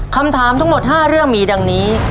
คำถามทั้งหมด๕เรื่องมีดังนี้